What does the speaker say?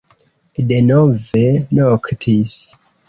Denove noktis.